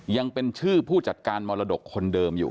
ยังเป็นชื่อผู้จัดการมรดกคนเดิมอยู่